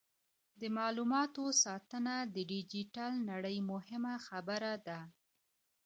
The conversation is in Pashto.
د معلوماتو ساتنه د ډیجیټل نړۍ مهمه برخه ده.